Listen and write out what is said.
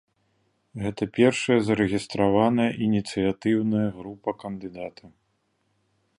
Гэта першая зарэгістраваная ініцыятыўная група кандыдата.